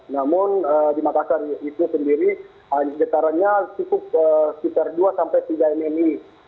namun di makassar itu sendiri getarannya cukup sekitar dua sampai tiga mmi